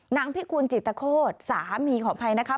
นางพิกูลจิตโฆษสามีขอบภัยนะครับ